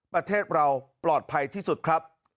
ประเทศเราปลอดภัยที่สุดครับ